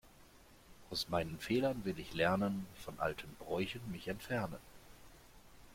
Aus meinen Fehlern will ich lernen, von alten Bräuchen mich entfernen.